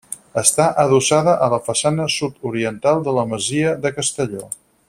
Està adossada a la façana sud-oriental de la masia de Castelló.